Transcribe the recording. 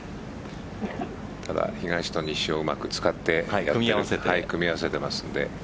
ただ東と西をうまく組み合わせていますんで。